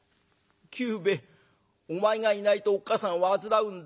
「久兵衛お前がいないとおっ母さん患うんだよ。